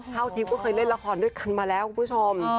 ทิปก็เคยเล่นละครด้วยกันมาแล้วคุณผู้ชม